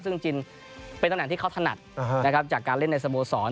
ซึ่งจินเป็นตำแหน่งที่เขาถนัดนะครับจากการเล่นในสโมสร